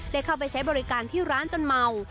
ได้เข้าไปใช้บริการที่ร้านจนเมา